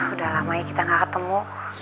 udah lamanya kita gak ketemu